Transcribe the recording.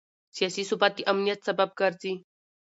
سیاسي ثبات د امنیت سبب ګرځي